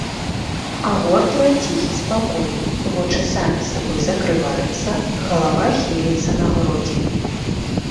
Агортвае ціхі спакой, вочы самі сабой закрываюцца, галава хіліцца на грудзі.